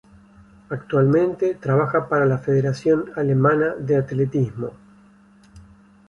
Actualmente trabaja para la Federación Alemana de Atletismo.